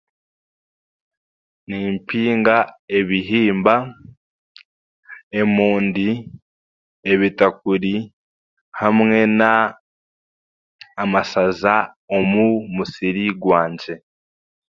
Nimpinga ebihimba emondi ebitakuri hamwe na amashaza omu musiri gwangye